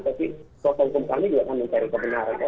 tapi sosok hukum kami juga kan mencari kebenaran